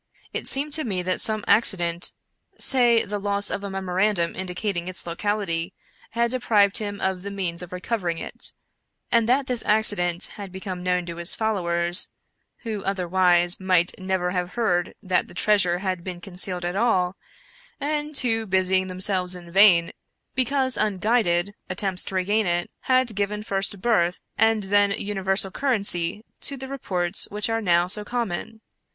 It seemed to me that some accident — say the loss of a memorandum indicating its locality — had deprived him of the means of recovering it, and that this accident had become known to his follow ers, who otherwise might never have heard that the treas ure had been concealed at all, and who, busying themselves in vain, because unguided, attempts to regain it, had given first birth, and then universal currency, to the re ports which are now so common.